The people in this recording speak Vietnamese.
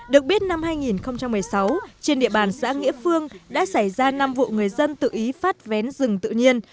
được biết năm hai nghìn một mươi sáu trên địa bàn xã nghĩa phương đã xảy ra năm vụ người dân tự ý phát vén rừng tự nhiên